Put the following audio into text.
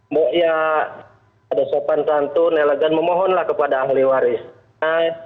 moya pada sopan santun elegan memohonlah kepada ahli warisnya